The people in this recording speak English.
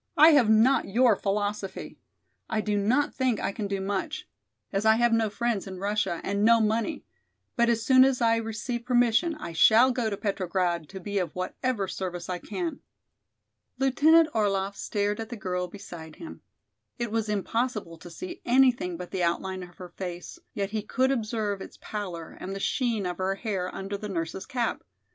I have not your philosophy. I do not think I can do much, as I have no friends in Russia and no money, but as soon as I receive permission I shall go to Petrograd to be of whatever service I can." Lieutenant Orlaff stared at the girl beside him. It was impossible to see anything but the outline of her face, yet he could observe its pallor and the sheen of her hair under the nurse's cap.